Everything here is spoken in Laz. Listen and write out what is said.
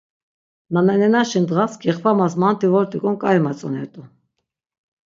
Nananenaşi ndğaş gexvamas manti vort̆ik̆on k̆ai matzonert̆u.